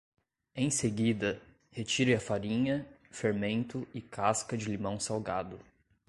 Em seguida, retire a farinha, fermento e casca de limão salgado.